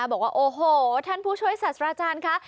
บอกว่าโอ้โหท่านผู้ช่วยศาสตราจารย์ค่ะ